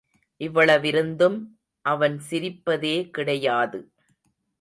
இவ்வளவிருந்தும், அவன் சிரிப்பதே கிடையாது.